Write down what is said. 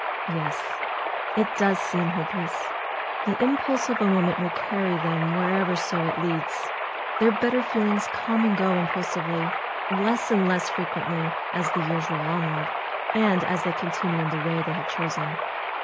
"Yes, it does seem hopeless. The impulse of a mo ment will carry them wheresoever it leads. Their bet ter feelings come and go impulsively, less and less fre FAITH ^28 quently as tlie years roll onward; and as they continue in the way they have chosen.